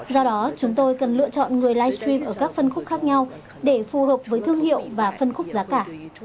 do đó chúng tôi cần lựa chọn người livestream ở các phân khúc khác nhau để phù hợp với thương hiệu và phân khúc giá cả